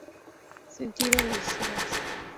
Sentido Dehesas